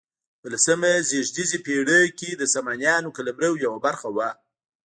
په لسمه زېږدیزې پیړۍ کې د سامانیانو قلمرو یوه برخه وه.